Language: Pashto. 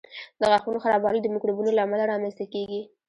د غاښونو خرابوالی د میکروبونو له امله رامنځته کېږي.